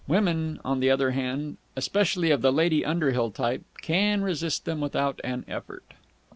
Women, on the other hand, especially of the Lady Underhill type, can resist them without an effort.